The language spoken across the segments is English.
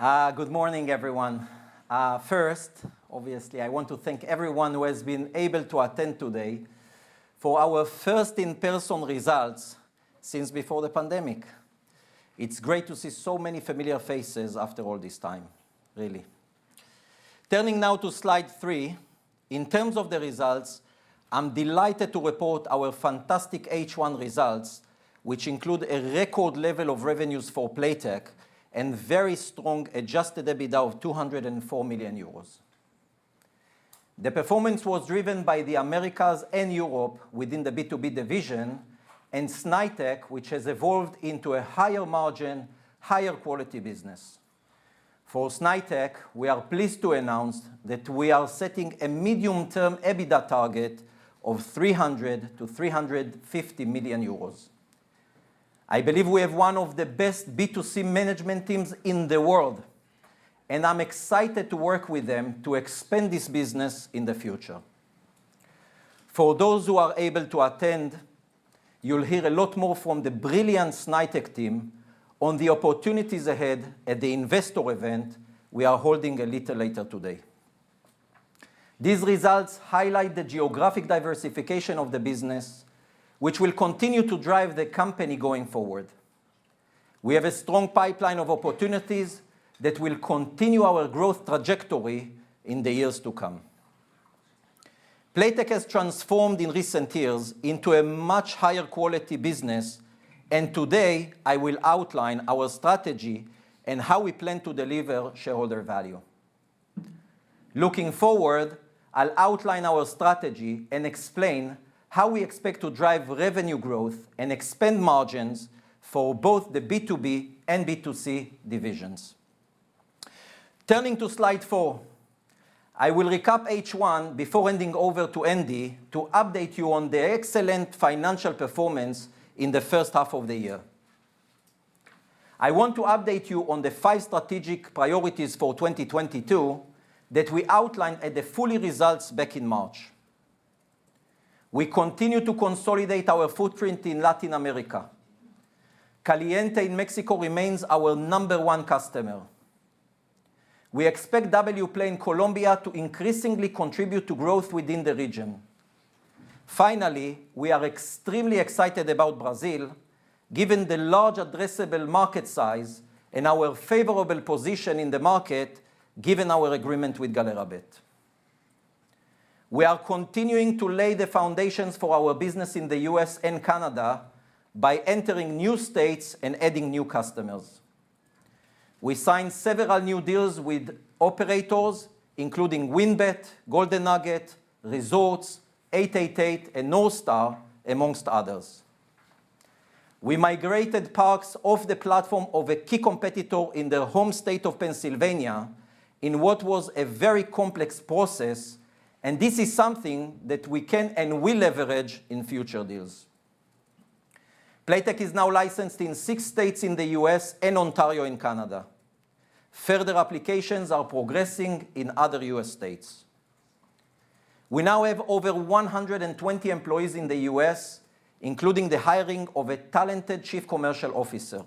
Good morning, everyone. First, obviously, I want to thank everyone who has been able to attend today for our first in-person results since before the pandemic. It's great to see so many familiar faces after all this time, really. Turning now to slide three. In terms of the results, I'm delighted to report our fantastic H1 results, which include a record level of revenues for Playtech and very strong Adjusted EBITDA of 204 million euros. The performance was driven by the Americas and Europe within the B2B division and Snaitech, which has evolved into a higher margin, higher quality business. For Snaitech, we are pleased to announce that we are setting a medium-term EBITDA target of 300 million-350 million euros. I believe we have one of the best B2C management teams in the world, and I'm excited to work with them to expand this business in the future. For those who are able to attend, you'll hear a lot more from the brilliant Snaitech team on the opportunities ahead at the investor event we are holding a little later today. These results highlight the geographic diversification of the business, which will continue to drive the company going forward. We have a strong pipeline of opportunities that will continue our growth trajectory in the years to come. Playtech has transformed in recent years into a much higher quality business, and today, I will outline our strategy and how we plan to deliver shareholder value. Looking forward, I'll outline our strategy and explain how we expect to drive revenue growth and expand margins for both the B2B and B2C divisions. Turning to slide four. I will recap H1 before handing over to Andy to update you on the excellent financial performance in the first half of the year. I want to update you on the five strategic priorities for 2022 that we outlined at the full-year results back in March. We continue to consolidate our footprint in Latin America. Caliente in Mexico remains our number one customer. We expect Wplay in Colombia to increasingly contribute to growth within the region. Finally, we are extremely excited about Brazil given the large addressable market size and our favorable position in the market given our agreement with galera.bet. We are continuing to lay the foundations for our business in the U.S. and Canada by entering new states and adding new customers. We signed several new deals with operators, including WynnBET, Golden Nugget, Resorts, 888, and NorthStar, among others. We migrated Parx off the platform of a key competitor in their home state of Pennsylvania in what was a very complex process, and this is something that we can and will leverage in future deals. Playtech is now licensed in six states in the U.S. and Ontario in Canada. Further applications are progressing in other U.S. states. We now have over 120 employees in the U.S., including the hiring of a talented Chief Commercial Officer.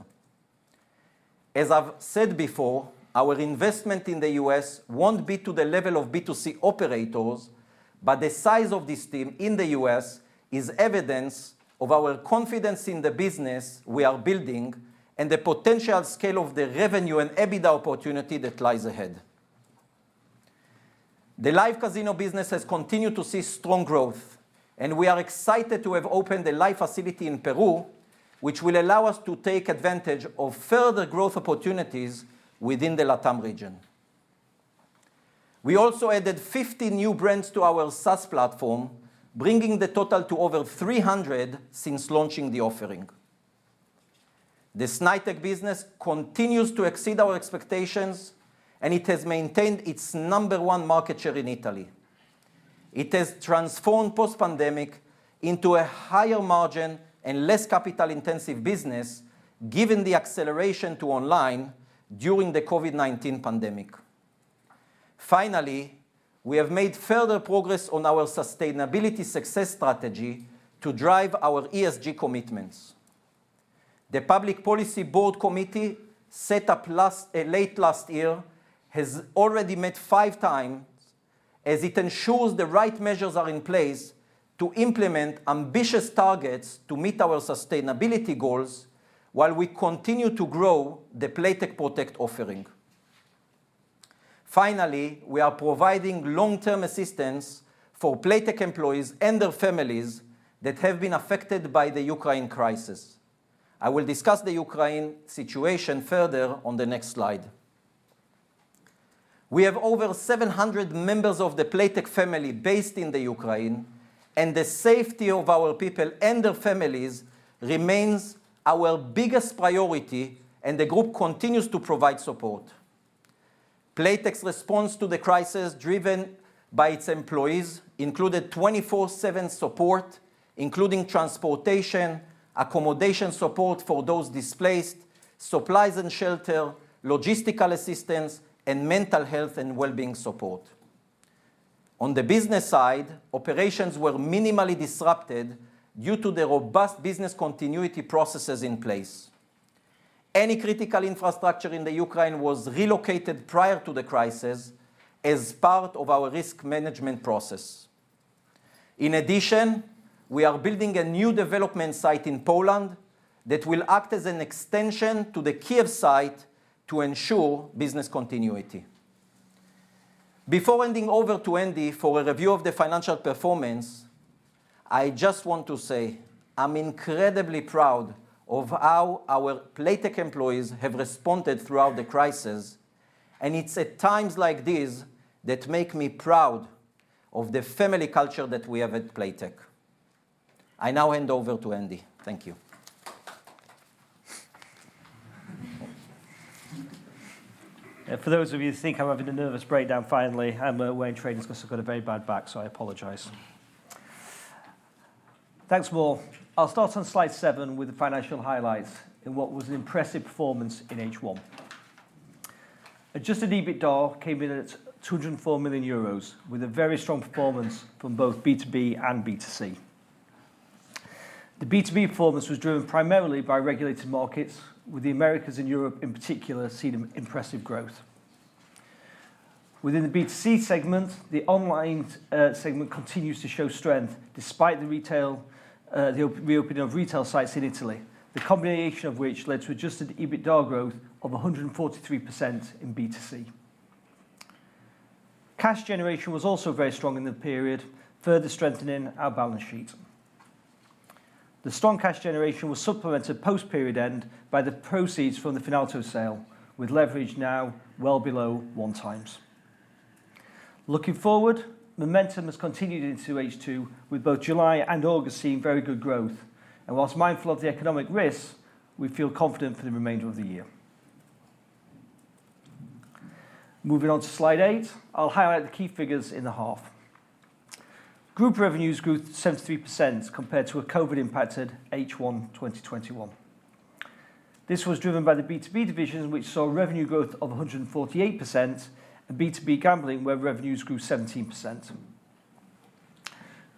As I've said before, our investment in the U.S. won't be to the level of B2C operators, but the size of this team in the U.S. is evidence of our confidence in the business we are building and the potential scale of the revenue and EBITDA opportunity that lies ahead. The live casino business has continued to see strong growth, and we are excited to have opened a live facility in Peru, which will allow us to take advantage of further growth opportunities within the LATAM region. We also added 50 new brands to our SaaS platform, bringing the total to over 300 since launching the offering. The Snaitech business continues to exceed our expectations, and it has maintained its number one market share in Italy. It has transformed post-pandemic into a higher margin and less capital-intensive business, given the acceleration to online during the COVID-19 pandemic. Finally, we have made further progress on our sustainability success strategy to drive our ESG commitments. The Public Policy Board Committee, set up late last year, has already met five times as it ensures the right measures are in place to implement ambitious targets to meet our sustainability goals while we continue to grow the Playtech Protect offering. Finally, we are providing long-term assistance for Playtech employees and their families that have been affected by the Ukraine crisis. I will discuss the Ukraine situation further on the next slide. We have over 700 members of the Playtech family based in the Ukraine, and the safety of our people and their families remains our biggest priority, and the group continues to provide support. Playtech's response to the crisis, driven by its employees, included 24/7 support, including transportation, accommodation support for those displaced, supplies and shelter, logistical assistance, and mental health and well-being support. On the business side, operations were minimally disrupted due to the robust business continuity processes in place. Any critical infrastructure in the Ukraine was relocated prior to the crisis as part of our risk management process. In addition, we are building a new development site in Poland that will act as an extension to the Kyiv site to ensure business continuity. Before handing over to Andy for a review of the financial performance, I just want to say I'm incredibly proud of how our Playtech employees have responded throughout the crisis, and it's at times like this that make me proud of the family culture that we have at Playtech. I now hand over to Andy. Thank you. For those of you who think I'm having a nervous breakdown finally, I'm wearing trainers 'cause I've got a very bad back, so I apologize. Thanks, Mor. I'll start on slide seven with the financial highlights in what was an impressive performance in H1. Adjusted EBITDA came in at 204 million euros, with a very strong performance from both B2B and B2C. The B2B performance was driven primarily by regulated markets, with the Americas and Europe in particular seeing impressive growth. Within the B2C segment, the online segment continues to show strength despite the retail reopening of retail sites in Italy, the combination of which led to Adjusted EBITDA growth of 143% in B2C. Cash generation was also very strong in the period, further strengthening our balance sheet. The strong cash generation was supplemented post-period end by the proceeds from the Finalto sale, with leverage now well below 1x. Looking forward, momentum has continued into H2, with both July and August seeing very good growth. While mindful of the economic risks, we feel confident for the remainder of the year. Moving on to slide eight, I'll highlight the key figures in the half. Group revenues grew 73% compared to a COVID-impacted H1 2021. This was driven by the B2B divisions which saw revenue growth of 148% and B2B gambling where revenues grew 17%.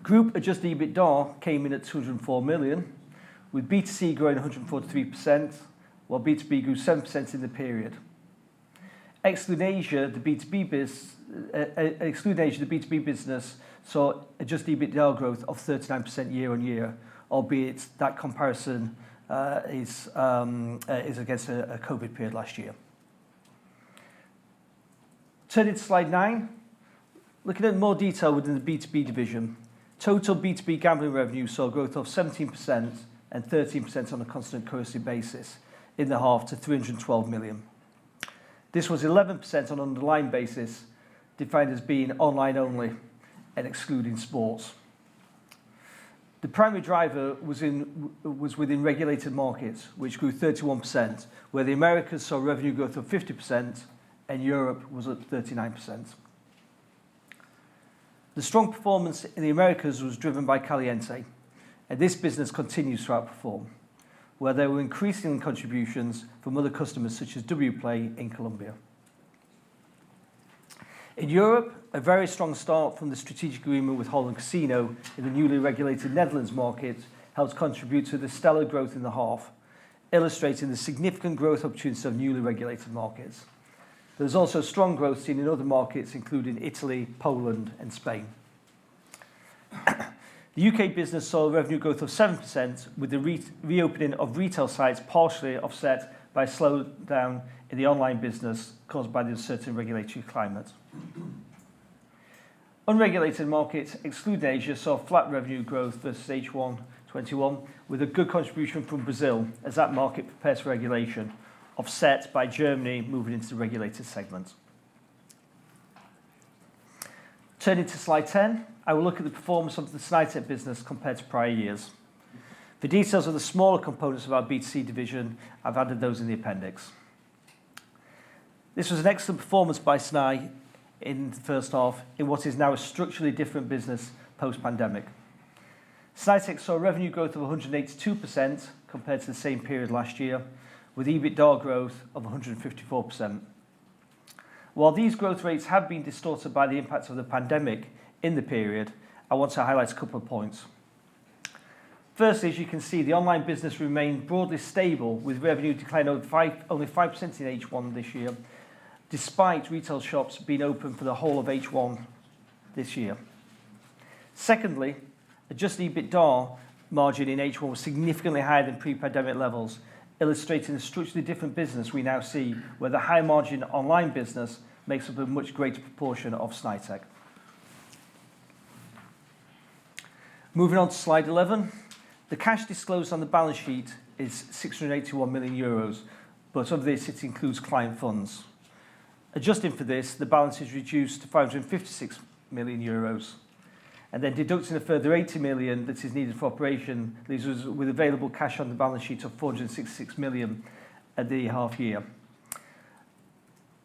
Group Adjusted EBITDA came in at 204 million, with B2C growing 143%, while B2B grew 7% in the period. Excluding Asia, the B2B business saw Adjusted EBITDA growth of 39% year-on-year, albeit that comparison is against a COVID-period last year. Turning to slide nine, looking in more detail within the B2B division, total B2B gambling revenue saw growth of 17% and 13% on a constant currency basis in the half to 312 million. This was 11% on an underlying basis, defined as being online only and excluding sports. The primary driver was within regulated markets, which grew 31%, where the Americas saw revenue growth of 50% and Europe was at 39%. The strong performance in the Americas was driven by Caliente, and this business continues to outperform, where there were increasing contributions from other customers such as Wplay in Colombia. In Europe, a very strong start from the strategic agreement with Holland Casino in the newly regulated Netherlands market helped contribute to the stellar growth in the half, illustrating the significant growth opportunities of newly regulated markets. There's also strong growth seen in other markets, including Italy, Poland and Spain. The U.K. business saw revenue growth of 7% with the re-reopening of retail sites partially offset by a slowdown in the online business caused by the uncertain regulatory climate. Unregulated markets, excluding Asia, saw flat revenue growth versus H1 2021, with a good contribution from Brazil as that market prepares for regulation, offset by Germany moving into the regulated segment. Turning to slide 10, I will look at the performance of the Snaitech business compared to prior years. For details of the smaller components of our B2C division, I've added those in the appendix. This was an excellent performance by Snaitech in the first half in what is now a structurally different business post-pandemic. Snaitech saw revenue growth of 182% compared to the same period last year, with EBITDA growth of 154%. While these growth rates have been distorted by the impacts of the pandemic in the period, I want to highlight a couple of points. First, as you can see, the online business remained broadly stable with revenue declining only 5% in H1 this year, despite retail shops being open for the whole of H1 this year. Secondly, Adjusted EBITDA margin in H1 was significantly higher than pre-pandemic levels, illustrating the structurally different business we now see, where the high-margin online business makes up a much greater proportion of Snaitech. Moving on to slide 11, the cash disclosed on the balance sheet is 681 million euros, but of this it includes client funds. Adjusting for this, the balance is reduced to 556 million euros, and then deducting a further 80 million that is needed for operation leaves us with available cash on the balance sheet of 466 million at the half year.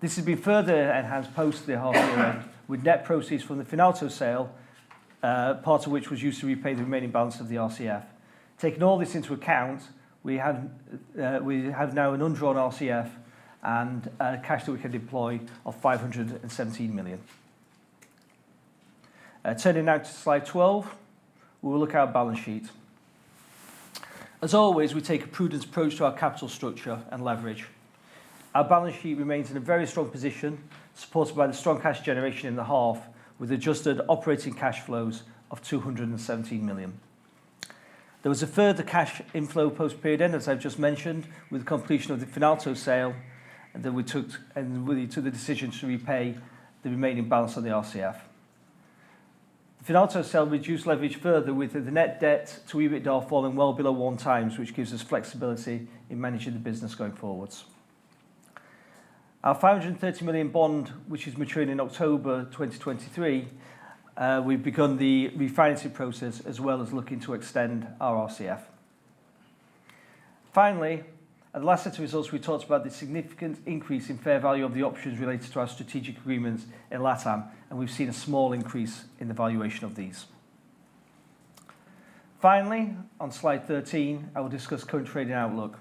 This has been further enhanced post the half year end, with net proceeds from the Finalto sale, part of which was used to repay the remaining balance of the RCF. Taking all this into account, we have now an undrawn RCF and cash that we can deploy of 517 million. Turning now to slide 12, we will look at our balance sheet. As always, we take a prudent approach to our capital structure and leverage. Our balance sheet remains in a very strong position, supported by the strong cash generation in the half, with adjusted operating cash flows of 217 million. There was a further cash inflow post-period end, as I've just mentioned, with completion of the Finalto sale that we took, and we took the decision to repay the remaining balance on the RCF. The Finalto sale reduced leverage further with the net-debt-to EBITDA falling well below 1x, which gives us flexibility in managing the business going forwards. Our 530 million bond, which is maturing in October 2023, we've begun the refinancing process as well as looking to extend our RCF. Finally, at the last set of results, we talked about the significant increase in fair value of the options related to our strategic agreements in LATAM, and we've seen a small increase in the valuation of these. Finally, on slide 13, I will discuss current trading outlook.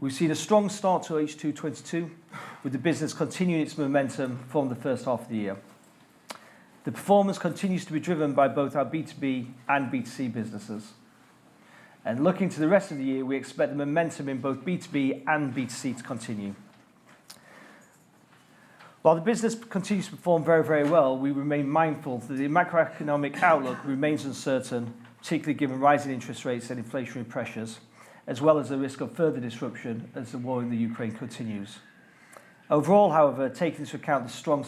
We've seen a strong start to H2 2022, with the business continuing its momentum from the first half of the year. The performance continues to be driven by both our B2B and B2C businesses. Looking to the rest of the year, we expect the momentum in both B2B and B2C to continue. While the business continues to perform very, very well, we remain mindful that the macroeconomic outlook remains uncertain, particularly given rising interest rates and inflationary pressures, as well as the risk of further disruption as the war in Ukraine continues. Overall, however, taking into account the strong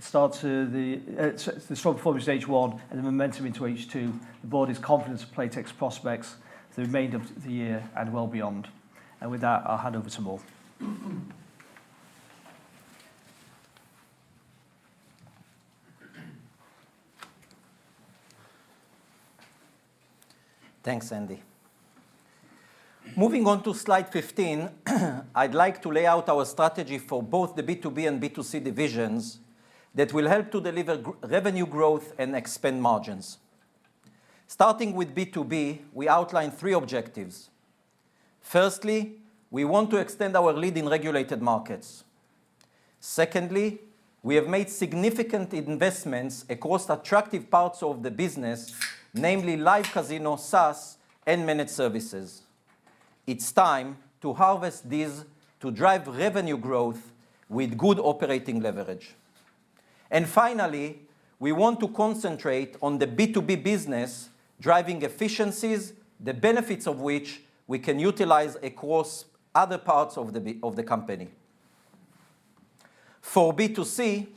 start to the strong performance in H1 and the momentum into H2, the board is confident of Playtech's prospects for the remainder of the year and well beyond. With that, I'll hand over to Mor. Thanks, Andy. Moving on to slide 15, I'd like to lay out our strategy for both the B2B and B2C divisions that will help to deliver revenue growth and expand margins. Starting with B2B, we outline three objectives. Firstly, we want to extend our lead in regulated markets. Secondly, we have made significant investments across attractive parts of the business, namely Live Casino, SaaS, and Managed services. It's time to harvest these to drive revenue growth with good operating leverage. Finally, we want to concentrate on the B2B business, driving efficiencies, the benefits of which we can utilize across other parts of the company. For B2C,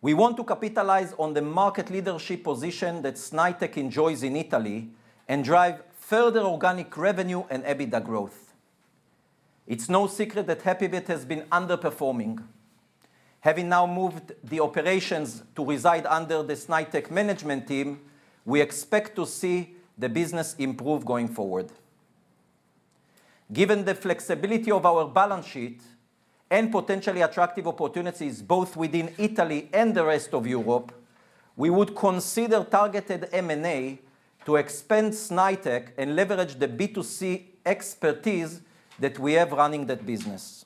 we want to capitalize on the market leadership position that Snaitech enjoys in Italy and drive further organic revenue and EBITDA growth. It's no secret that HAPPYBET has been underperforming. Having now moved the operations to reside under the Snaitech management team, we expect to see the business improve going forward. Given the flexibility of our balance sheet and potentially attractive opportunities both within Italy and the rest of Europe, we would consider targeted M&A to expand Snaitech and leverage the B2C expertise that we have running that business.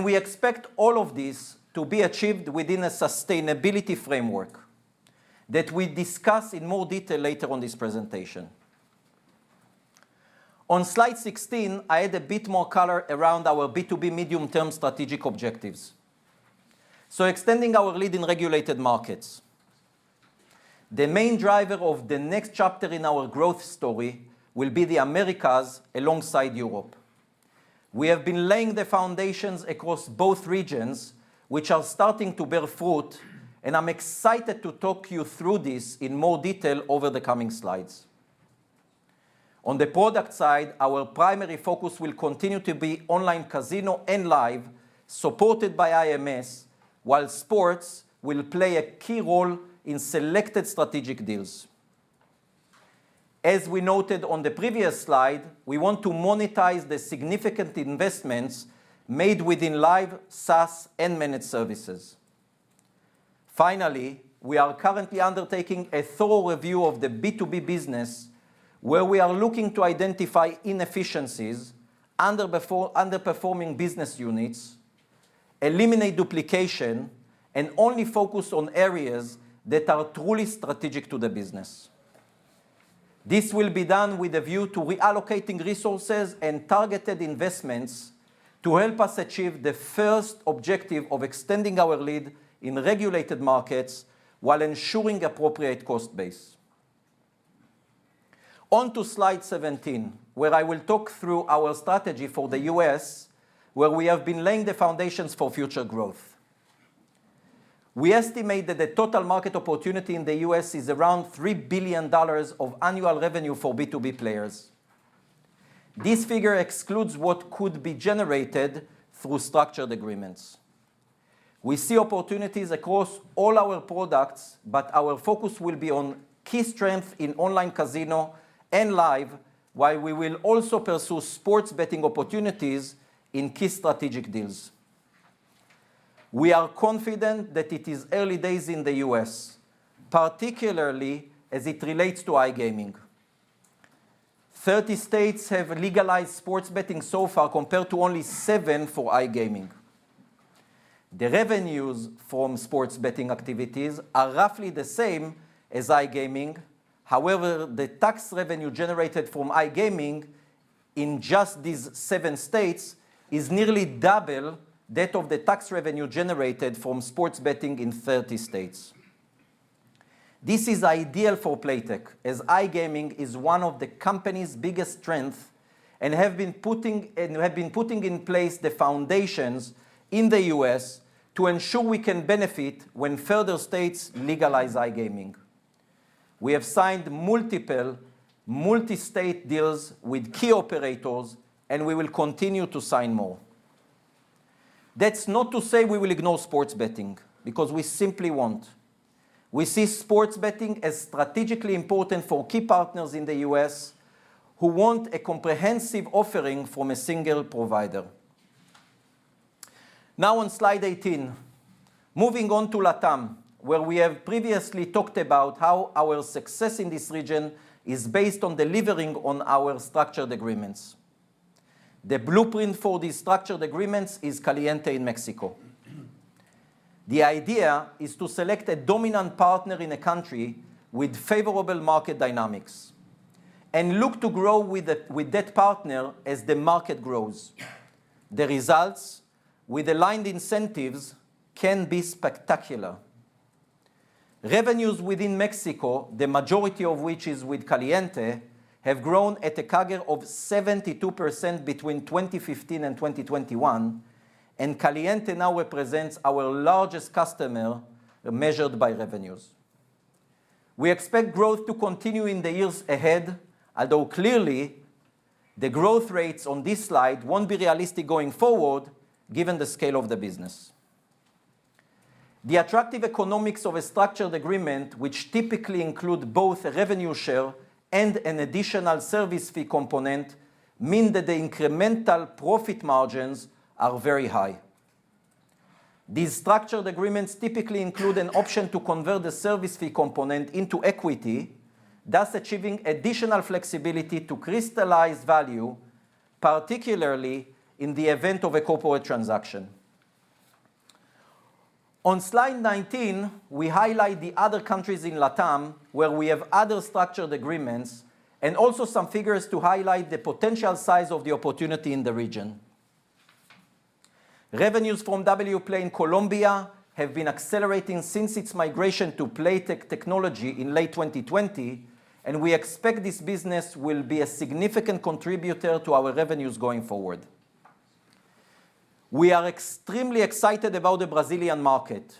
We expect all of this to be achieved within a sustainability framework that we discuss in more detail later on this presentation. On slide 16, I add a bit more color around our B2B medium-term strategic objectives. Extending our lead in regulated markets. The main driver of the next chapter in our growth story will be the Americas alongside Europe. We have been laying the foundations across both regions, which are starting to bear fruit, and I'm excited to talk you through this in more detail over the coming slides. On the product side, our primary focus will continue to be online casino and Live, supported by IMS, while sports will play a key role in selected strategic deals. As we noted on the previous slide, we want to monetize the significant investments made within Live, SaaS, and Managed Services. Finally, we are currently undertaking a thorough review of the B2B business, where we are looking to identify inefficiencies, underperforming business units, eliminate duplication, and only focus on areas that are truly strategic to the business. This will be done with a view to reallocating resources and targeted investments to help us achieve the first objective of extending our lead in regulated markets while ensuring appropriate cost base. On to slide 17, where I will talk through our strategy for the U.S., where we have been laying the foundations for future growth. We estimate that the total market opportunity in the U.S. is around $3 billion of annual revenue for B2B players. This figure excludes what could be generated through structured agreements. We see opportunities across all our products, but our focus will be on key strength in online casino and Live, while we will also pursue sports betting opportunities in key strategic deals. We are confident that it is early days in the U.S., particularly as it relates to iGaming. 30 states have legalized sports betting so far, compared to only seven for iGaming. The revenues from sports betting activities are roughly the same as iGaming. However, the tax revenue generated from iGaming in just these seven states is nearly double that of the tax revenue generated from sports betting in 30 states. This is ideal for Playtech, as iGaming is one of the company's biggest strength, and we have been putting in place the foundations in the U.S. to ensure we can benefit when further states legalize iGaming. We have signed multiple multi-state deals with key operators, and we will continue to sign more. That's not to say we will ignore sports betting, because we simply won't. We see sports betting as strategically important for key partners in the U.S. who want a comprehensive offering from a single provider. Now on slide 18, moving on to LATAM, where we have previously talked about how our success in this region is based on delivering on our structured agreements. The blueprint for these structured agreements is Caliente in Mexico. The idea is to select a dominant partner in a country with favorable market dynamics and look to grow with that partner as the market grows. The results with aligned incentives can be spectacular. Revenues within Mexico, the majority of which is with Caliente, have grown at a CAGR of 72% between 2015 and 2021, and Caliente now represents our largest customer, measured by revenues. We expect growth to continue in the years ahead, although clearly the growth rates on this slide won't be realistic going forward given the scale of the business. The attractive economics of a structured agreement which typically include both a revenue share and an additional service fee component, mean that the incremental profit margins are very high. These structured agreements typically include an option to convert the service fee component into equity, thus achieving additional flexibility to crystallize value, particularly in the event of a corporate transaction. On slide 19, we highlight the other countries in LATAM where we have other structured agreements, and also some figures to highlight the potential size of the opportunity in the region. Revenues from Wplay in Colombia have been accelerating since its migration to Playtech technology in late 2020, and we expect this business will be a significant contributor to our revenues going forward. We are extremely excited about the Brazilian market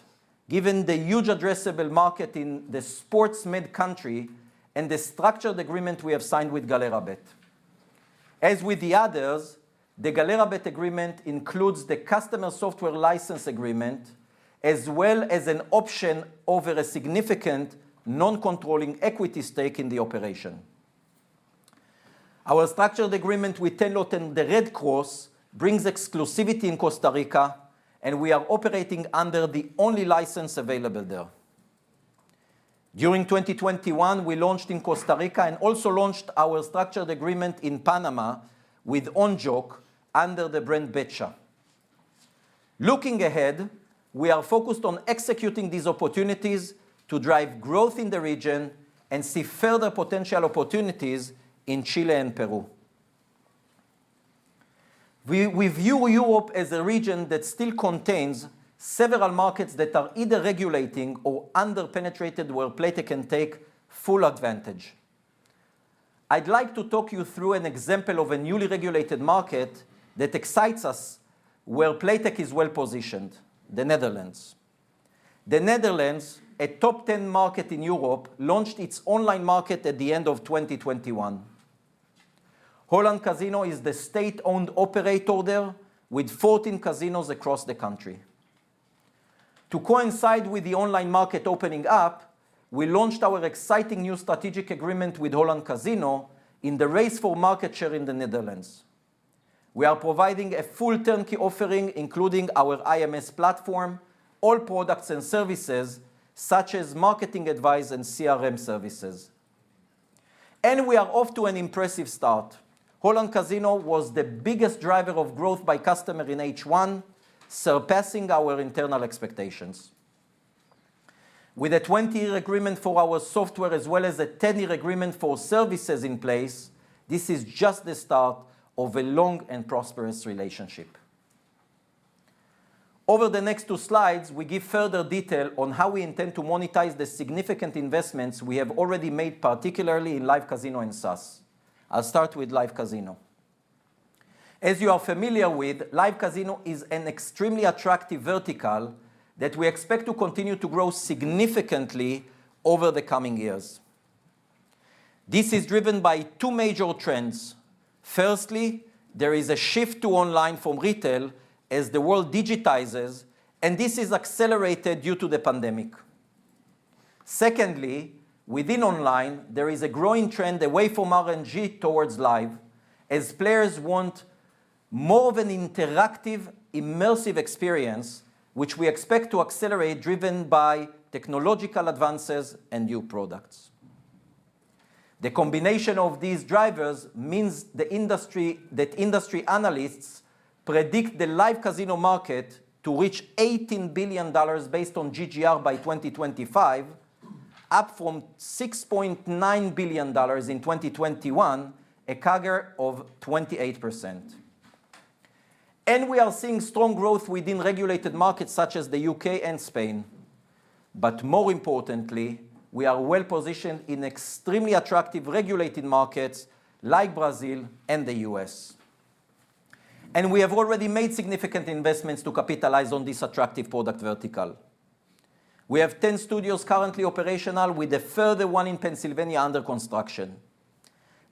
given the huge addressable market in the sports-mad country and the structured agreement we have signed with galera.bet. As with the others, the galera.bet agreement includes the customer software license agreement as well as an option over a significant non-controlling equity stake in the operation. Our structured agreement with Tenlot and the Red Cross brings exclusivity in Costa Rica, and we are operating under the only license available there. During 2021, we launched in Costa Rica and also launched our structured agreement in Panama with ONJOC under the brand Betcha. Looking ahead, we are focused on executing these opportunities to drive growth in the region and see further potential opportunities in Chile and Peru. We view Europe as a region that still contains several markets that are either regulating or under-penetrated where Playtech can take full advantage. I'd like to talk you through an example of a newly regulated market that excites us, where Playtech is well-positioned, the Netherlands. The Netherlands, a top 10 market in Europe, launched its online market at the end of 2021. Holland Casino is the state-owned operator there, with 14 casinos across the country. To coincide with the online market opening up, we launched our exciting new strategic agreement with Holland Casino in the race for market share in the Netherlands. We are providing a full turnkey offering, including our IMS platform, all products and services such as marketing advice and CRM services, and we are off to an impressive start. Holland Casino was the biggest driver of growth by customer in H1, surpassing our internal expectations. With a 20-year agreement for our software as well as a 10-year agreement for services in place, this is just the start of a long and prosperous relationship. Over the next two slides, we give further detail on how we intend to monetize the significant investments we have already made, particularly in Live Casino and SaaS. I'll start with Live Casino. As you are familiar with, Live Casino is an extremely attractive vertical that we expect to continue to grow significantly over the coming years. This is driven by two major trends. Firstly, there is a shift to online from retail as the world digitizes, and this is accelerated due to the pandemic. Secondly, within online, there is a growing trend away from RNG towards live, as players want more of an interactive, immersive experience which we expect to accelerate driven by technological advances and new products. The combination of these drivers means that industry analysts predict the Live Casino market to reach $18 billion based on GGR by 2025, up from $6.9 billion in 2021, a CAGR of 28%. We are seeing strong growth within regulated markets such as the U.K. and Spain. More importantly, we are well-positioned in extremely attractive regulated markets like Brazil and the U.S.. We have already made significant investments to capitalize on this attractive product vertical. We have 10 studios currently operational, with a further one in Pennsylvania under construction.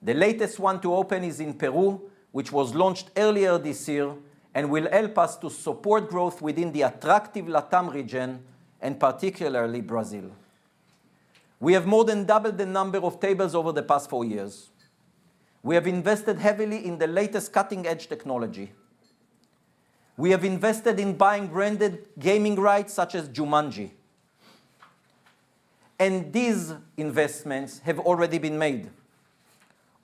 The latest one to open is in Peru, which was launched earlier this year and will help us to support growth within the attractive LATAM region, and particularly Brazil. We have more than doubled the number of tables over the past four years. We have invested heavily in the latest cutting-edge technology. We have invested in buying branded gaming rights such as Jumanji. These investments have already been made.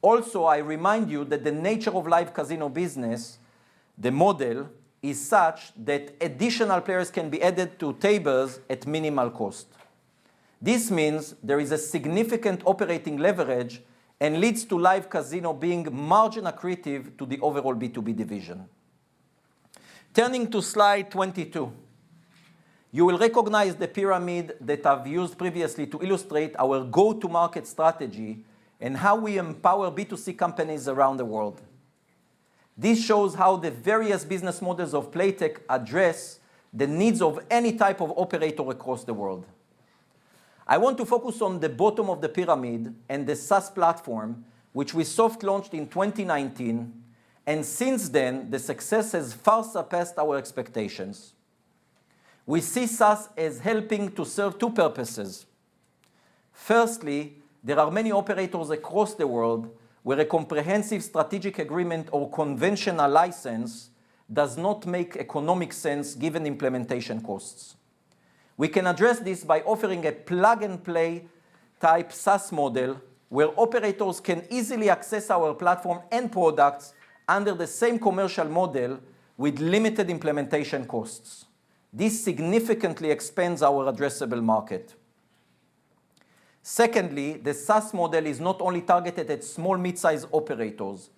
Also, I remind you that the nature of live casino business, the model is such that additional players can be added to tables at minimal cost. This means there is a significant operating leverage and leads to Live Casino being margin accretive to the overall B2B division. Turning to slide 22, you will recognize the pyramid that I've used previously to illustrate our go-to-market strategy and how we empower B2C companies around the world. This shows how the various business models of Playtech address the needs of any type of operator across the world. I want to focus on the bottom of the pyramid and the SaaS platform, which we soft-launched in 2019, and since then, the success has far surpassed our expectations. We see SaaS as helping to serve two purposes. Firstly, there are many operators across the world where a comprehensive strategic agreement or conventional license does not make economic sense given implementation costs. We can address this by offering a plug-and-play type SaaS model, where operators can easily access our platform and products under the same commercial model with limited implementation costs. This significantly expands our addressable market. Secondly, the SaaS model is not only targeted at small mid-size operators.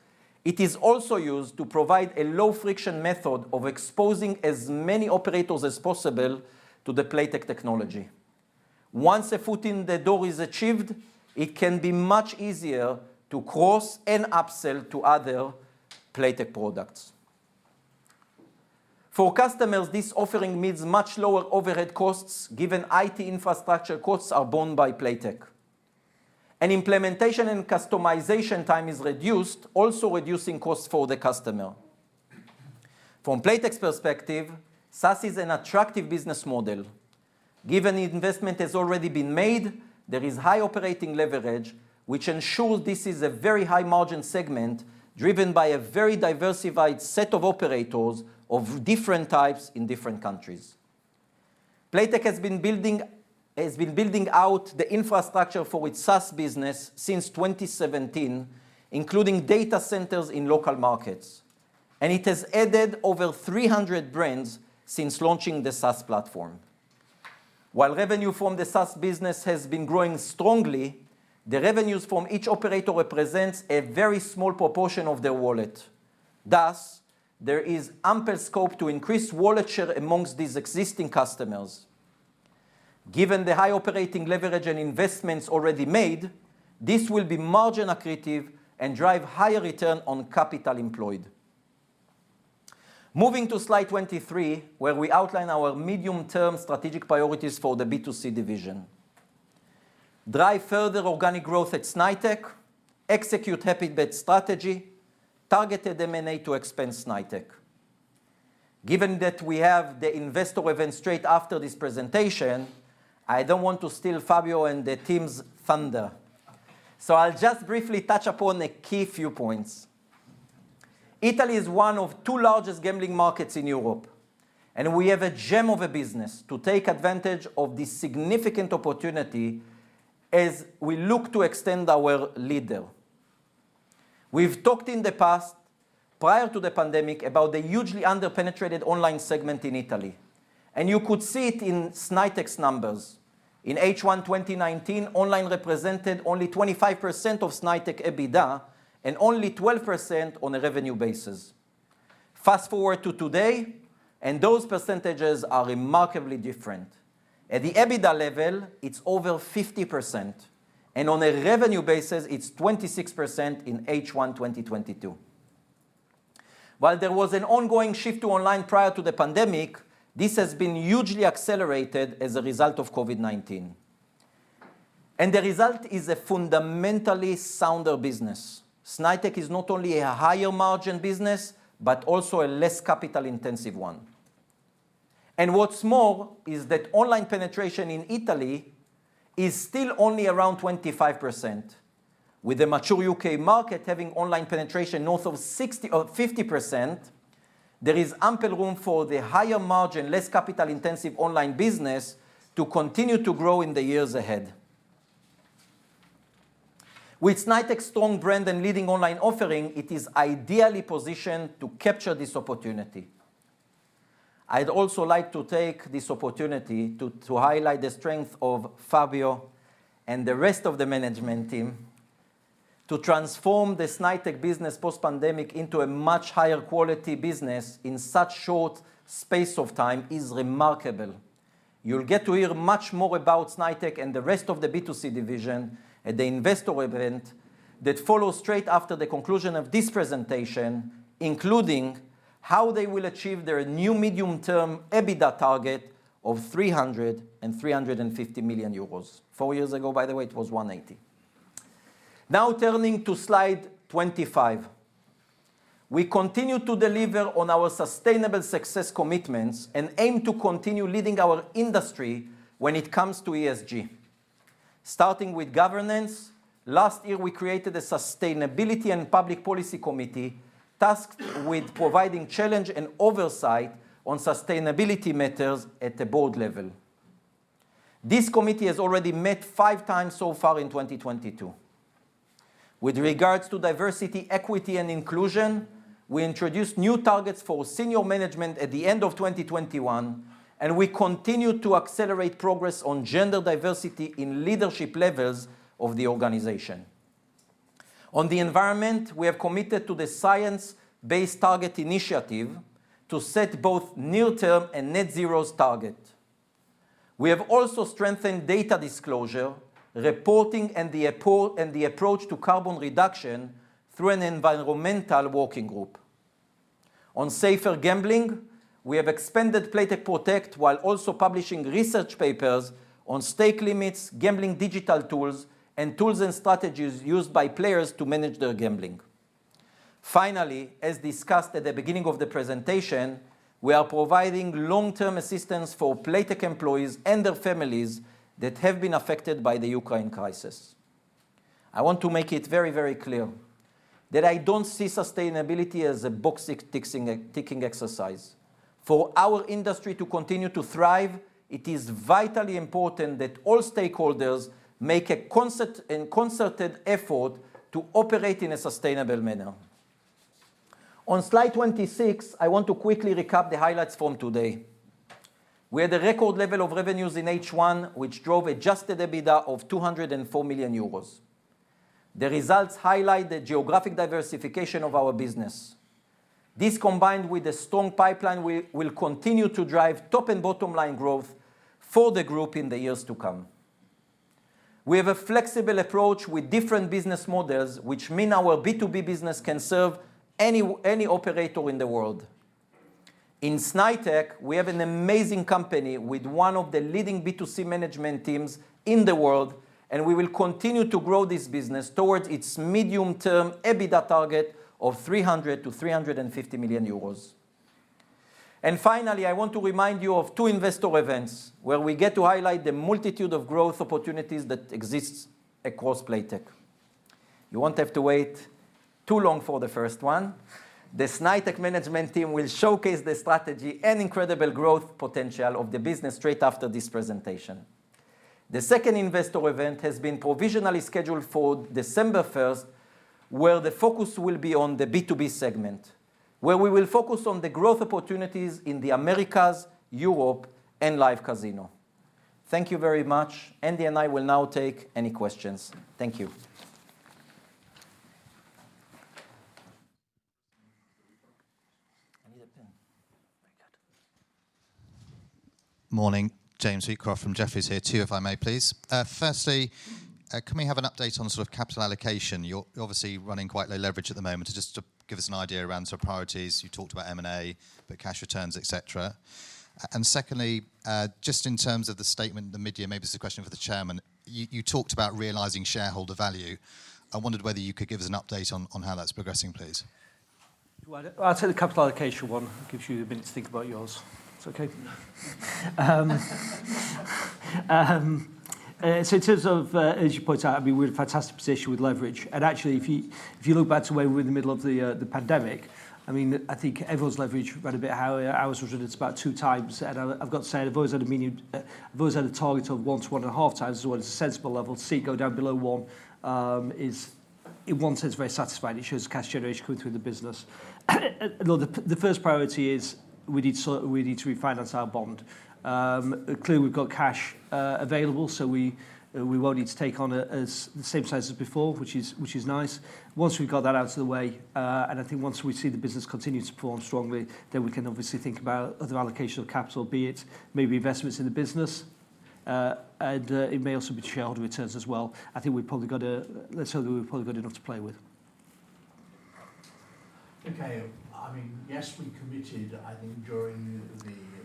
It is also used to provide a low-friction method of exposing as many operators as possible to the Playtech technology. Once a foot in the door is achieved, it can be much easier to cross and upsell to other Playtech products. For customers, this offering means much lower overhead costs, given IT infrastructure costs are borne by Playtech. Implementation and customization time is reduced, also reducing costs for the customer. From Playtech's perspective, SaaS is an attractive business model. Given the investment has already been made, there is high operating leverage, which ensures this is a very high-margin segment driven by a very diversified set of operators of different types in different countries. Playtech has been building out the infrastructure for its SaaS business since 2017, including data centers in local markets. It has added over 300 brands since launching the SaaS platform. While revenue from the SaaS business has been growing strongly, the revenues from each operator represents a very small proportion of their wallet. Thus, there is ample scope to increase wallet share among these existing customers. Given the high operating leverage and investments already made, this will be margin accretive and drive higher return on capital employed. Moving to slide 23, where we outline our medium-term strategic priorities for the B2C division. Drive further organic growth at Snaitech, execute HAPPYBET strategy, targeted M&A to expand Snaitech. Given that we have the investor event straight after this presentation, I don't want to steal Fabio and the team's thunder. I'll just briefly touch upon a key few points. Italy is one of two largest gambling markets in Europe, and we have a gem of a business to take advantage of this significant opportunity as we look to extend our lead there. We've talked in the past, prior to the pandemic, about the hugely under-penetrated online segment in Italy, and you could see it in Snaitech's numbers. In H1 2019, online represented only 25% of Snaitech EBITDA and only 12% on a revenue basis. Fast-forward to today, and those percentages are remarkably different. At the EBITDA level, it's over 50%, and on a revenue basis, it's 26% in H1 2022. While there was an ongoing shift to online prior to the pandemic, this has been hugely accelerated as a result of COVID-19. The result is a fundamentally sounder business. Snaitech is not only a higher-margin business but also a less capital-intensive one. What's more is that online penetration in Italy is still only around 25%, with the mature U.K. market having online penetration north of 60% or 50%. There is ample room for the higher margin, less capital-intensive online business to continue to grow in the years ahead. With Snaitech's strong brand and leading online offering, it is ideally positioned to capture this opportunity. I'd also like to take this opportunity to highlight the strength of Fabio and the rest of the management team. To transform the Snaitech business post-pandemic into a much higher quality business in such short space of time is remarkable. You'll get to hear much more about Snaitech and the rest of the B2C division at the investor event that follows straight after the conclusion of this presentation, including how they will achieve their new medium-term EBITDA target of 300 million-350 million euros. Four years ago, by the way, it was 180 million. Now turning to slide 25. We continue to deliver on our sustainable success commitments and aim to continue leading our industry when it comes to ESG. Starting with governance, last year we created a Sustainability and Public Policy Committee tasked with providing challenge and oversight on sustainability matters at the board level. This committee has already met five times so far in 2022. With regards to diversity, equity and inclusion, we introduced new targets for senior management at the end of 2021, and we continue to accelerate progress on gender diversity in leadership levels of the organization. On the environment, we have committed to the Science Based Targets initiative to set both near-term and net zero target. We have also strengthened data disclosure, reporting and the approach to carbon reduction through an environmental working group. On safer gambling, we have expanded Playtech Protect while also publishing research papers on stake limits, gambling digital tools, and tools and strategies used by players to manage their gambling. Finally, as discussed at the beginning of the presentation, we are providing long-term assistance for Playtech employees and their families that have been affected by the Ukraine crisis. I want to make it very, very clear that I don't see sustainability as a box-ticking exercise. For our industry to continue to thrive, it is vitally important that all stakeholders make a concerted effort to operate in a sustainable manner. On slide 26, I want to quickly recap the highlights from today. We had a record level of revenues in H1, which drove Adjusted EBITDA of 204 million euros. The results highlight the geographic diversification of our business. This, combined with a strong pipeline, will continue to drive top and bottom line growth for the group in the years to come. We have a flexible approach with different business models, which mean our B2B business can serve any operator in the world. In Snaitech, we have an amazing company with one of the leading B2C management teams in the world, and we will continue to grow this business towards its medium-term EBITDA target of 300 million-350 million euros. Finally, I want to remind you of two investor events where we get to highlight the multitude of growth opportunities that exists across Playtech. You won't have to wait too long for the first one. The Snaitech management team will showcase the strategy and incredible growth potential of the business straight after this presentation. The second investor event has been provisionally scheduled for December first, where the focus will be on the B2B segment, where we will focus on the growth opportunities in the Americas, Europe and Live Casino. Thank you very much. Andy and I will now take any questions. Thank you. I need a pen. My God. Morning. James Wheatcroft from Jefferies here too, if I may please. Firstly, can we have an update on sort of capital allocation? You're obviously running quite low leverage at the moment. Just to give us an idea around sort of priorities. You talked about M&A, but cash returns, et cetera. Secondly, just in terms of the statement at the mid-year, maybe this is a question for the chairman. You talked about realizing shareholder value. I wondered whether you could give us an update on how that's progressing, please. Well, I'll take the capital allocation one. It gives you a minute to think about yours. It's okay? In terms of, as you point out, I mean, we're in a fantastic position with leverage. Actually, if you look back to where we were in the middle of the pandemic, I mean, I think everyone's leverage was a bit higher. Ours was 2x, it's about 2x. I've got to say, I've always had a target of 1x-1.5x is what is a sensible level to see. Go down below 1x is in one sense very satisfying. It shows cash generation coming through the business. Look, the first priority is we need to refinance our bond. Clearly we've got cash available, so we won't need to take on as the same size as before, which is nice. Once we've got that out of the way, and I think once we see the business continue to perform strongly, then we can obviously think about other allocation of capital, be it maybe investments in the business, and it may also be shareholder returns as well. I think we've probably got enough to play with. Okay. I mean, yes, we committed, I think during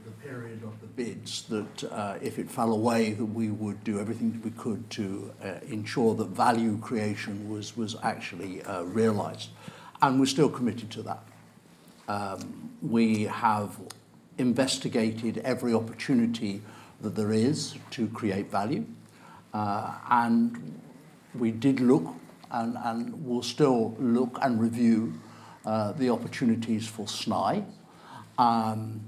the period of the bids that if it fell away, that we would do everything that we could to ensure that value creation was actually realized, and we're still committed to that. We have investigated every opportunity that there is to create value. We did look and will still look and review the opportunities for Snaitech.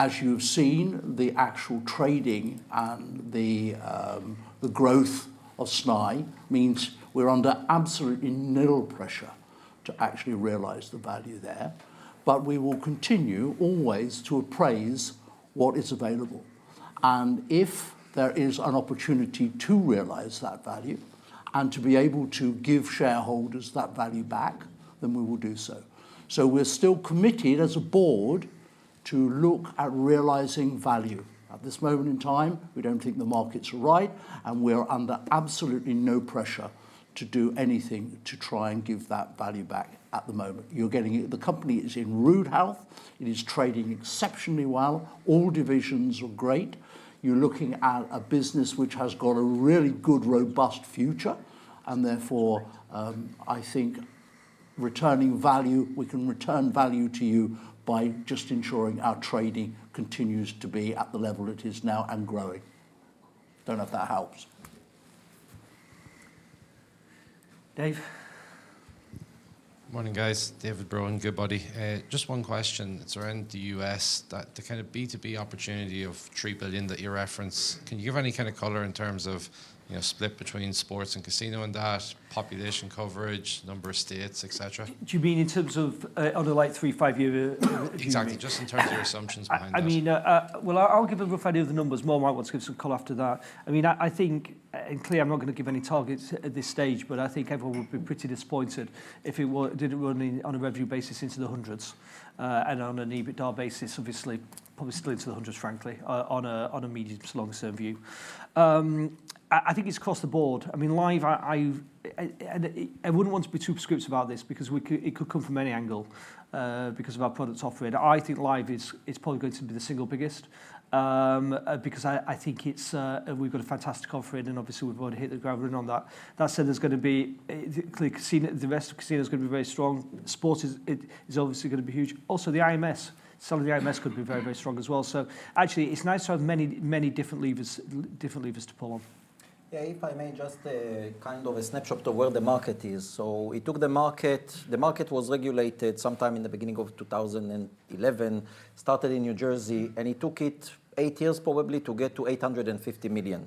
As you've seen, the actual trading and the growth of Snaitech means we're under absolutely nil pressure to actually realize the value there. We will continue always to appraise what is available. If there is an opportunity to realize that value and to be able to give shareholders that value back, then we will do so. We're still committed as a board to look at realizing value. At this moment in time, we don't think the market's right, and we're under absolutely no pressure to do anything to try and give that value back at the moment. You're getting it. The company is in rude health. It is trading exceptionally well. All divisions are great. You're looking at a business which has got a really good, robust future, and therefore, I think we can return value to you by just ensuring our trading continues to be at the level it is now and growing. Don't know if that helps. Dave? Morning, guys. David Brohan, Goodbody. Just one question. It's around the U.S. that the kind of B2B opportunity of $3 billion that you reference, can you give any kind of color in terms of, you know, split between sports and casino and that, population coverage, number of states, et cetera? Do you mean in terms of on a like 3-5-year view? Exactly. Just in terms of your assumptions behind that. I mean, well, I'll give a rough idea of the numbers. Mor might want to give some color after that. I mean, I think, and clearly I'm not gonna give any targets at this stage, but I think everyone would be pretty disappointed if it didn't run any on a revenue basis into the hundreds, and on an EBITDA basis, obviously, probably still into the hundreds, frankly, on a medium to long-term view. I think it's across the board. I mean, Live, and I wouldn't want to be too prescriptive about this because it could come from any angle, because of our product offering. I think Live is probably going to be the single biggest, because I think it's we've got a fantastic offering, and obviously we've already hit the ground running on that. That said, there's gonna be clearly Casino, the rest of Casino is gonna be very strong. Sports is, it is obviously gonna be huge. Also, the IMS, some of the IMS could be very, very strong as well. Actually, it's nice to have many different levers to pull on. Yeah, if I may just kind of a snapshot of where the market is. The market was regulated sometime in the beginning of 2011, started in New Jersey, and it took it eight years probably to get to $850 million,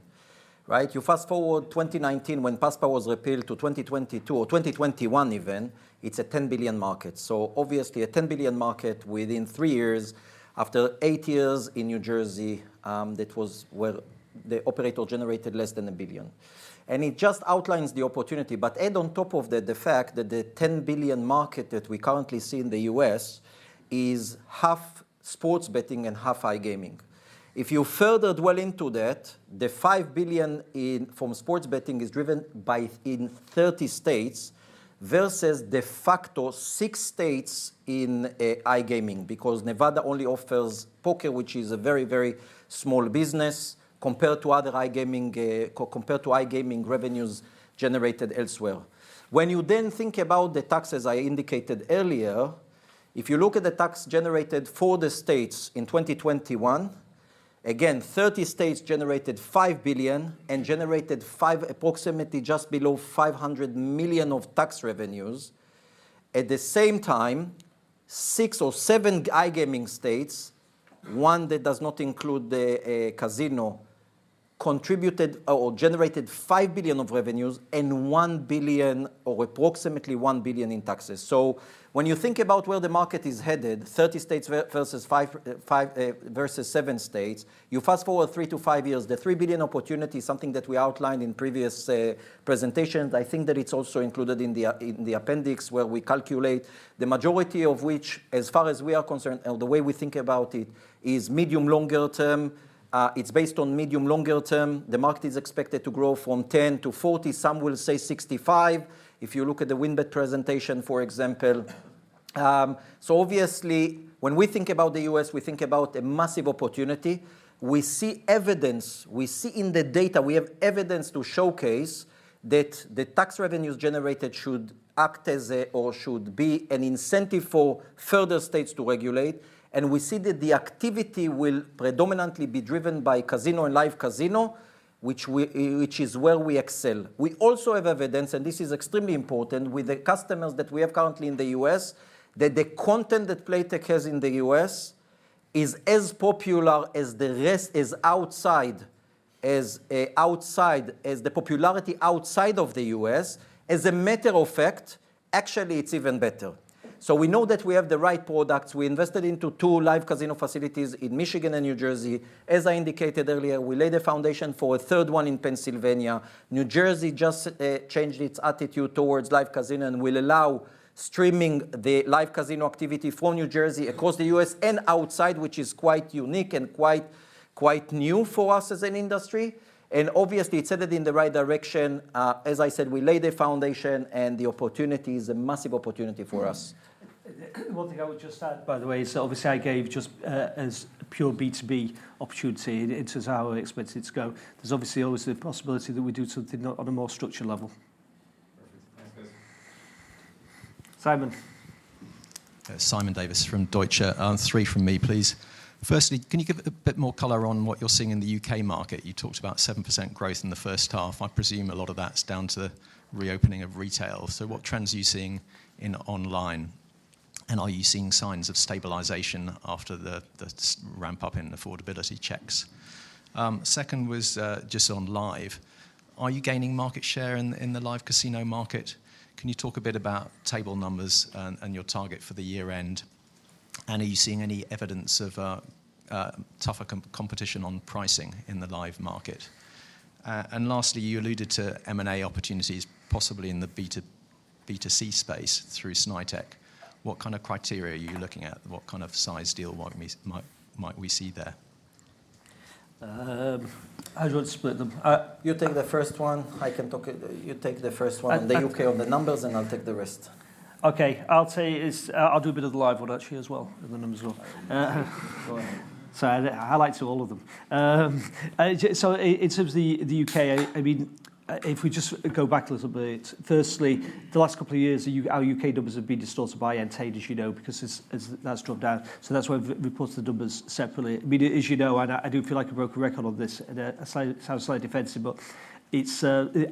right? You fast-forward 2019 when PASPA was repealed to 2022 or 2021 even, it's a $10 billion market. Obviously, a $10 billion market within three years after eight years in New Jersey, that was where the operator generated less than $1 billion. It just outlines the opportunity. Add on top of that the fact that the $10 billion market that we currently see in the U.S. is half sports betting and half iGaming. If you further dwell into that, the $5 billion in from sports betting is driven by in 30 states versus de facto six states in iGaming, because Nevada only offers poker, which is a very, very small business compared to other iGaming compared to iGaming revenues generated elsewhere. When you then think about the taxes I indicated earlier, if you look at the tax generated for the states in 2021, again, 30 states generated $5 billion and approximately just below $500 million of tax revenues. At the same time, six or seven iGaming states, one that does not include the casino, contributed or generated $5 billion of revenues and $1 billion or approximately $1 billion in taxes. When you think about where the market is headed, 30 states versus five versus seven states, you fast-forward three to five years, the $3 billion opportunity is something that we outlined in previous presentations. I think that it's also included in the appendix where we calculate the majority of which, as far as we are concerned or the way we think about it, is medium- to long-term. It's based on medium- to long-term. The market is expected to grow from $10 billion to $40 billion, some will say $65 billion, if you look at the WynnBET presentation, for example. Obviously, when we think about the U.S., we think about a massive opportunity. We see evidence, we see in the data, we have evidence to showcase that the tax revenues generated should act as a or should be an incentive for further states to regulate. We see that the activity will predominantly be driven by casino and live casino, which is where we excel. We also have evidence, and this is extremely important, with the customers that we have currently in the U.S., that the content that Playtech has in the U.S. is as popular as the rest is outside, as outside, as the popularity outside of the U.S. As a matter of fact, actually, it's even better. We know that we have the right products. We invested into two live casino facilities in Michigan and New Jersey. As I indicated earlier, we laid the foundation for a third one in Pennsylvania. New Jersey just changed its attitude towards live casino and will allow streaming the live casino activity from New Jersey across the U.S. and outside, which is quite unique and quite new for us as an industry. Obviously, it's headed in the right direction. As I said, we laid the foundation, and the opportunity is a massive opportunity for us. One thing I would just add, by the way, is obviously I gave just as a pure B2B opportunity into how I expected it to go. There's obviously always the possibility that we do something on a more structured level. Simon Simon Davies from Deutsche Bank. Three from me, please. Firstly, can you give a bit more color on what you're seeing in the U.K. market? You talked about 7% growth in the first half. I presume a lot of that's down to reopening of retail. What trends are you seeing in online, and are you seeing signs of stabilization after the ramp-up in affordability checks? Second was just on Live. Are you gaining market share in the live casino market? Can you talk a bit about table numbers and your target for the year end? Are you seeing any evidence of tougher competition on pricing in the live market? Lastly, you alluded to M&A opportunities, possibly in the B2C space through Snaitech. What kind of criteria are you looking at? What kind of size deal might we see there? I would split them. You take the first one. I- on the U.K., on the numbers, and I'll take the rest. Okay. I'll do a bit of the Live one actually as well and the numbers as well. Go on. I lied to all of them. In terms of the U.K., I mean, if we just go back a little bit, firstly, the last couple of years, our U.K. numbers have been distorted by Entain, as you know, because that's dropped down. That's why we've reported the numbers separately. I mean, as you know, I do feel like a broken record on this. I sound slightly defensive, but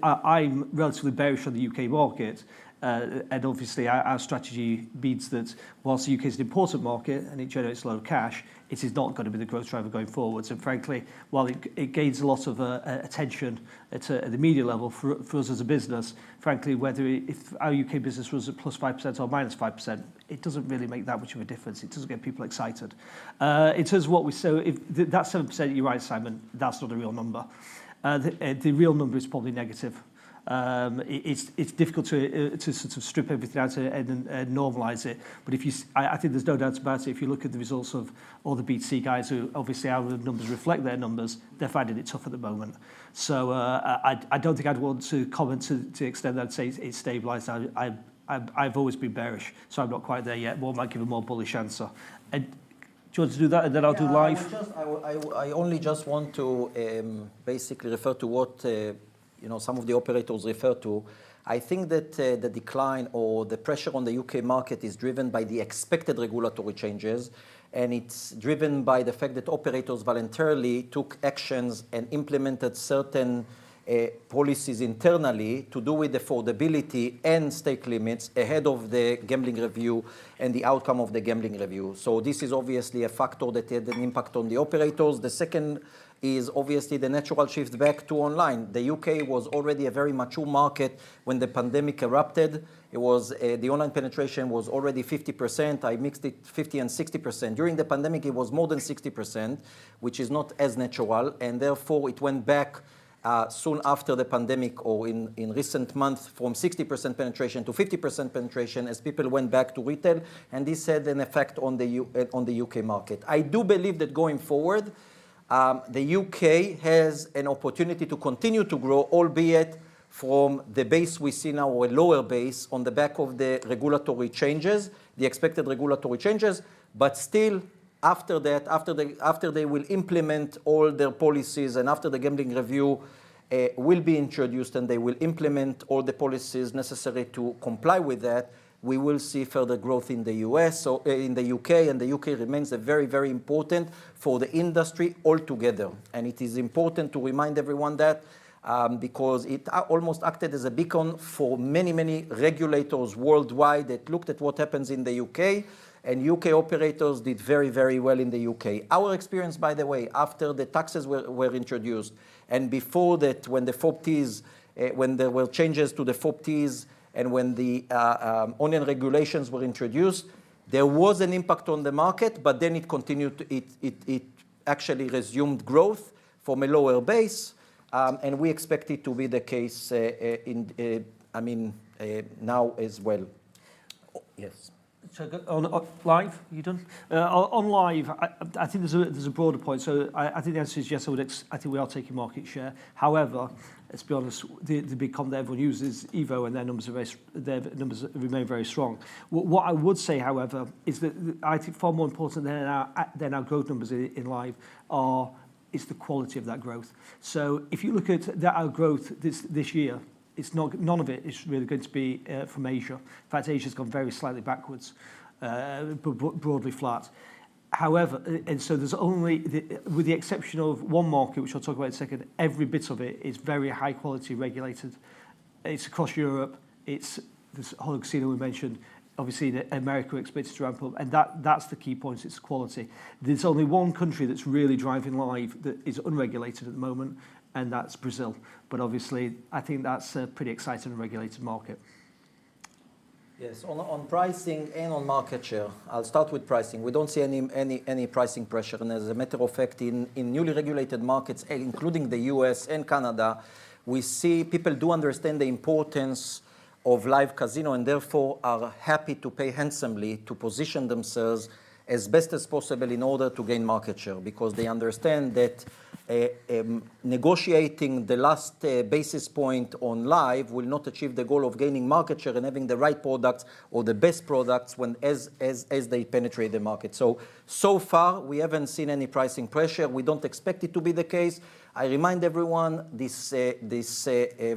I'm relatively bearish on the U.K. market. Obviously our strategy means that whilst the U.K. is an important market and it generates a lot of cash, it is not gonna be the growth driver going forward. Frankly, while it gains a lot of attention at the media level for us as a business, frankly, whether if our U.K. business was at +5% or -5%, it doesn't really make that much of a difference. It doesn't get people excited. In terms of what we saw, that 7%, you're right, Simon, that's not a real number. The real number is probably negative. It's difficult to sort of strip everything out and normalize it. I think there's no doubt about it. If you look at the results of all the B2C guys who obviously our numbers reflect their numbers, they're finding it tough at the moment. I don't think I'd want to comment to extend that and say it's stabilized. I've always been bearish, so I'm not quite there yet. Mo might give a more bullish answer. Do you want to do that, and then I'll do Live? Yeah, I only just want to basically refer to what you know some of the operators refer to. I think that the decline or the pressure on the U.K. market is driven by the expected regulatory changes, and it's driven by the fact that operators voluntarily took actions and implemented certain policies internally to do with affordability and stake limits ahead of the Gambling Review and the outcome of the Gambling Review. This is obviously a factor that had an impact on the operators. The second is obviously the natural shift back to online. The U.K. was already a very mature market when the pandemic erupted. It was the online penetration was already 50%. I mixed it 50% and 60%. During the pandemic, it was more than 60%, which is not as natural, and therefore it went back soon after the pandemic or in recent months from 60% penetration to 50% penetration as people went back to retail, and this had an effect on the U.K. market. I do believe that going forward, the U.K. has an opportunity to continue to grow, albeit from the base we see now or a lower base on the back of the regulatory changes, the expected regulatory changes. Still, after that, after they will implement all their policies and after the Gambling Review will be introduced and they will implement all the policies necessary to comply with that, we will see further growth in the U.S., or, in the U.K., and the U.K. remains a very, very important for the industry altogether. It is important to remind everyone that, because it almost acted as a beacon for many, many regulators worldwide that looked at what happens in the U.K., and U.K. operators did very, very well in the U.K. Our experience, by the way, after the taxes were introduced and before that when there were changes to the FOBTs and when online regulations were introduced, there was an impact on the market, but then it actually resumed growth from a lower base, and we expect it to be the case, I mean, now as well. Yes. On Live. Are you done? On Live, I think there's a broader point. I think the answer is yes. I think we are taking market share. However, let's be honest, the big comp that everyone uses, EVO, and their numbers remain very strong. What I would say, however, is that I think far more important than our growth numbers in Live is the quality of that growth. If you look at our growth this year, none of it is really going to be from Asia. In fact, Asia's gone very slightly backwards, broadly flat. However, and so with the exception of one market, which I'll talk about in a second, every bit of it is very high quality regulated. It's across Europe. It's this whole casino we mentioned. Obviously, the America we expect it to ramp up. That, that's the key point, is quality. There's only one country that's really driving Live that is unregulated at the moment, and that's Brazil. Obviously, I think that's a pretty exciting regulated market. Yes. On pricing and on market share, I'll start with pricing. We don't see any pricing pressure. As a matter of fact, in newly regulated markets, including the U.S. and Canada, we see people do understand the importance of Live Casino and therefore are happy to pay handsomely to position themselves as best as possible in order to gain market share, because they understand that negotiating the last basis point on live will not achieve the goal of gaining market share and having the right products or the best products when they penetrate the market. So far, we haven't seen any pricing pressure. We don't expect it to be the case. I remind everyone this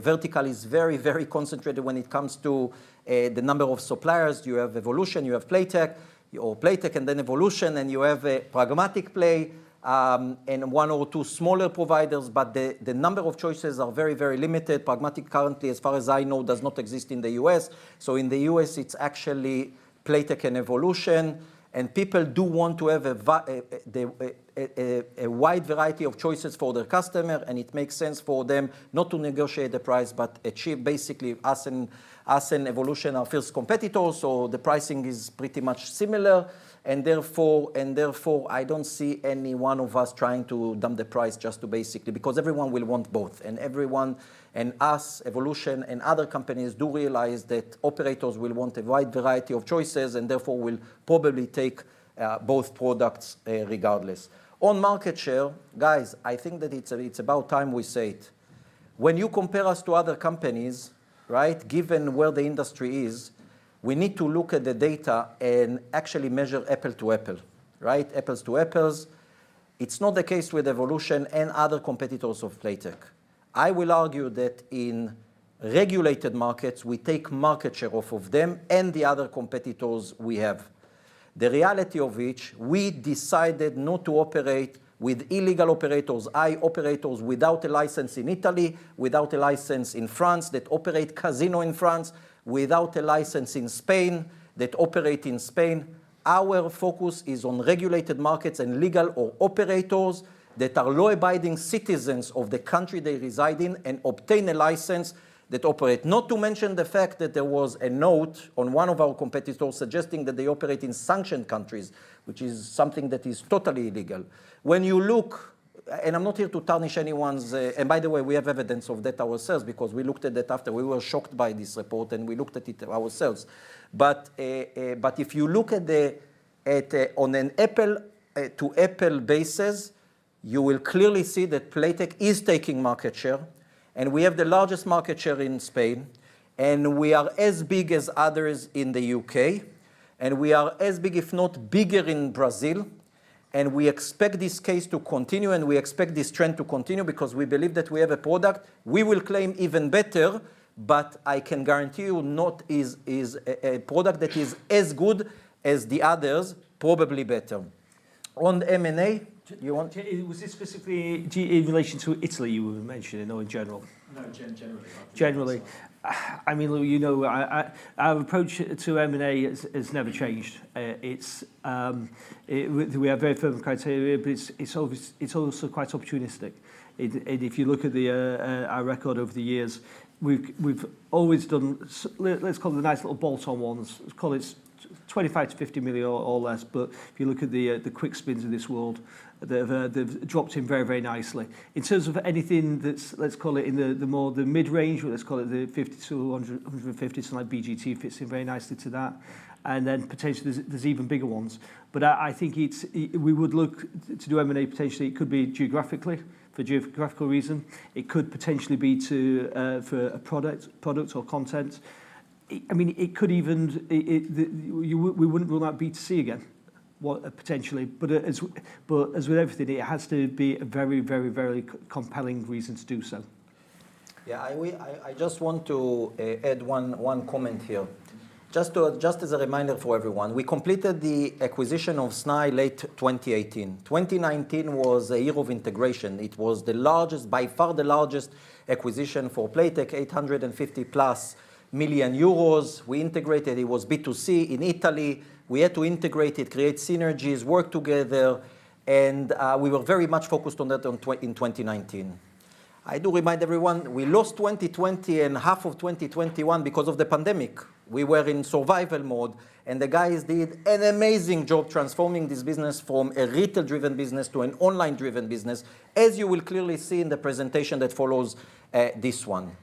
vertical is very concentrated when it comes to the number of suppliers. You have Evolution, you have Playtech, or Playtech and then Evolution, and you have a Pragmatic Play, and one or two smaller providers. The number of choices are very, very limited. Pragmatic Play currently, as far as I know, does not exist in the U.S. In the U.S., it's actually Playtech and Evolution. People do want to have a wide variety of choices for their customer, and it makes sense for them not to negotiate the price but achieve basically us and Evolution are fiercest competitors, so the pricing is pretty much similar. Therefore, I don't see any one of us trying to dump the price. Because everyone will want both, and everyone and us, Evolution and other companies do realize that operators will want a wide variety of choices and therefore will probably take both products, regardless. On market share, guys, I think that it's about time we say it. When you compare us to other companies, right, given where the industry is, we need to look at the data and actually measure apples to apples. It's not the case with Evolution and other competitors of Playtech. I will argue that in regulated markets, we take market share off of them and the other competitors we have. The reality is we decided not to operate with illegal operators, i.e., operators without a license in Italy, without a license in France, that operate casino in France, without a license in Spain, that operate in Spain. Our focus is on regulated markets and legal operators that are law-abiding citizens of the country they reside in and obtain a license that operate. Not to mention the fact that there was a note on one of our competitors suggesting that they operate in sanctioned countries, which is something that is totally illegal. When you look, and I'm not here to tarnish anyone's. By the way, we have evidence of that ourselves, because we looked at that after. We were shocked by this report, and we looked at it ourselves. If you look on an apples-to-apples basis, you will clearly see that Playtech is taking market share, and we have the largest market share in Spain, and we are as big as others in the U.K., and we are as big, if not bigger, in Brazil, and we expect this pace to continue, and we expect this trend to continue because we believe that we have a product we will claim even better, but I can guarantee you it is a product that is as good as the others, probably better. On M&A, you want- Was this specifically in relation to Italy you were mentioning or in general? No, generally. I mean, Lou, you know, I our approach to M&A has never changed. It's we have very firm criteria, but it's obvious it's also quite opportunistic. If you look at our record over the years, we've always done let's call it the nice little bolt-on ones. Call it 25 million -50 million or less. If you look at the Quickspin of this world, they've dropped in very, very nicely. In terms of anything that's, let's call it in the more the mid-range, let's call it the 50 to 100, 150, so like BGT fits in very nicely to that. Then potentially there's even bigger ones. I think it's we would look to do M&A potentially. It could be geographically for geographical reason. It could potentially be to for a product or content. I mean, we wouldn't rule out B2C again, what potentially. As with everything, it has to be a very compelling reason to do so. I just want to add one comment here. Just as a reminder for everyone, we completed the acquisition of Snaitech late 2018. 2019 was a year of integration. It was by far the largest acquisition for Playtech, 850+ million euros. We integrated it. It was B2C in Italy. We had to integrate it, create synergies, work together, and we were very much focused on that in 2019. I do remind everyone, we lost 2020 and half of 2021 because of the pandemic. We were in survival mode, and the guys did an amazing job transforming this business from a retail-driven business to an online-driven business, as you will clearly see in the presentation that follows this one.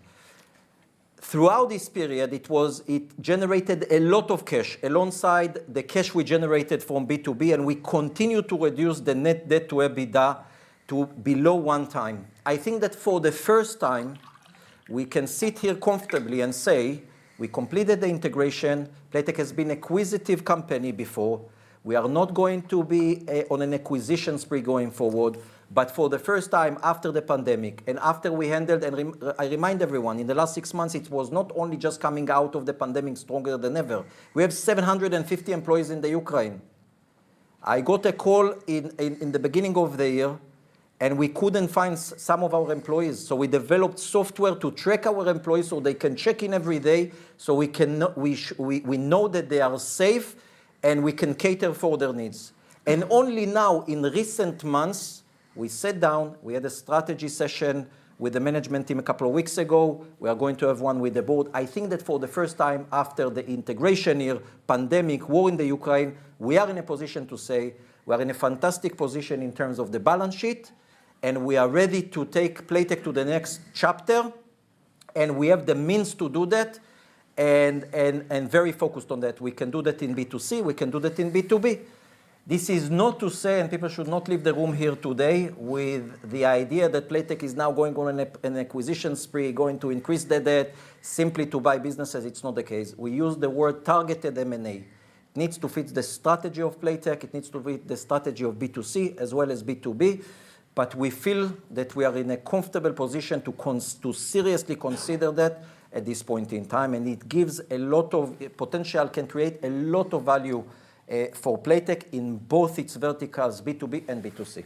Throughout this period, it generated a lot of cash alongside the cash we generated from B2B, and we continue to reduce the net-debt-to EBITDA to below one time. I think that for the first time, we can sit here comfortably and say we completed the integration. Playtech has been acquisitive company before. We are not going to be on an acquisition spree going forward. For the first time after the pandemic and after we handled, I remind everyone, in the last six months, it was not only just coming out of the pandemic stronger than ever. We have 750 employees in the Ukraine. I got a call in the beginning of the year, and we couldn't find some of our employees. We developed software to track our employees, so they can check in every day, so we can know that they are safe, and we can cater for their needs. Only now in recent months, we sat down, we had a strategy session with the management team a couple of weeks ago. We are going to have one with the board. I think that for the first time after the integration year, pandemic, war in Ukraine, we are in a position to say we are in a fantastic position in terms of the balance sheet, and we are ready to take Playtech to the next chapter, and we have the means to do that and very focused on that. We can do that in B2C, we can do that in B2B. This is not to say, and people should not leave the room here today with the idea that Playtech is now going on an acquisition spree, going to increase their debt simply to buy businesses. It's not the case. We use the word targeted M&A. Needs to fit the strategy of Playtech. It needs to fit the strategy of B2C as well as B2B. We feel that we are in a comfortable position to seriously consider that at this point in time, and it gives a lot of potential, can create a lot of value for Playtech in both its verticals, B2B and B2C.